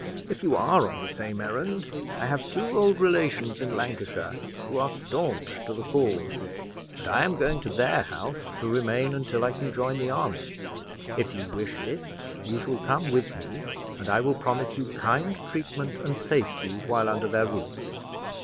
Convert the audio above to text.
If you are on the same errand, I have two old relations in Lancashire, who are stanch to the cause; and I am going to their house to remain until I can join the army. If you wish it, you shall come with me, and I will promise you kind treatment and safety while under their roof."